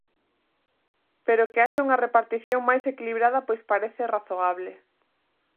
Pero que haxa unha repartición máis equilibrada pois parece razoable.